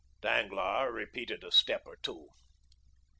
Danglars retreated a step or two.